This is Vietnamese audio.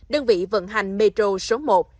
đơn vị vận hành metro số một